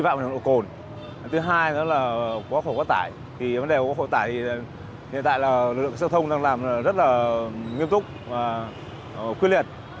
vấn đề có khổ bắt tải thì hiện tại là lượng giao thông đang làm rất nghiêm túc và quyết liệt